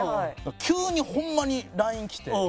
急にホンマにＬＩＮＥ来て。